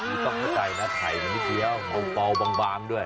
คือต้องเข้าใจนะไข่มันนิดเดียวเบาบางด้วย